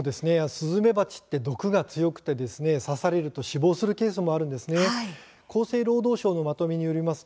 スズメバチは毒が強くて刺されると死亡するケースもあるんです。